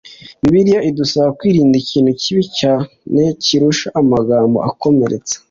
bibiliya idusaba kwirinda ikintu kibi cyane kurusha amagambo akomeretsa